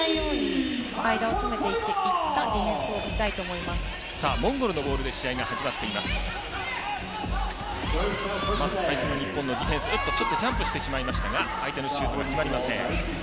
まず最初の日本のディフェンスジャンプしてしまいましたが相手のシュートは決まりません。